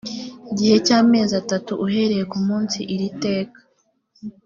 gihe cy amezi atatu uhereye ku munsi iri teka